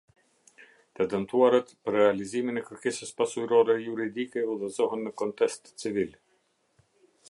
Të dëmtuarat, për realizimin e kërkesës pasurore juridike udhëzohen në kontest civil.